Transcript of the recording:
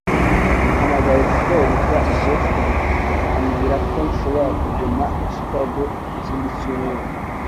Nahamagaye shobuja i Boston ambwira ko nshobora kuguma i Chicago ikindi cyumweru.